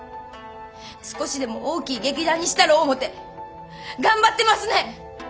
少しでも大きい劇団にしたろ思うて頑張ってますねん！